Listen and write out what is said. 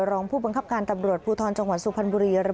รองผู้บังคับการตำรวจภูทรจังหวัดสุพรรณบุรีระบุ